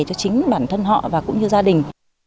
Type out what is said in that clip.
cho chính bản thân họ và cũng như gia đình